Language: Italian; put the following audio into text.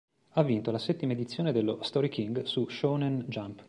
Ha vinto la settima edizione dello "Story King" su Shōnen Jump.